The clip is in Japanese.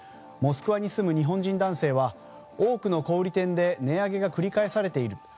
モスクワに住む日本人男性は多くの小売店で値上げが繰り返されている。